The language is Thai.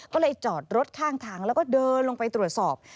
ก็เลยจอดรถข้างทางแล้วก็เดินลงไปตรวจสอบ